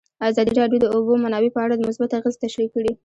ازادي راډیو د د اوبو منابع په اړه مثبت اغېزې تشریح کړي.